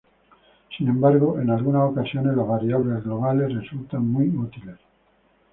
Sin embargo, en algunas ocasiones, las variables globales resultan muy útiles.